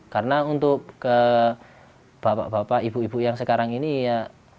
karena untuk ke bapak bapak ibu ibu yang sekarang ini ya